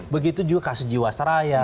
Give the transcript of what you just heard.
begitu juga kasus jiwasraya